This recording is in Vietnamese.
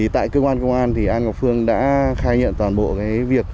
tại cơ quan công an ngọc phương đã khai nhận toàn bộ việc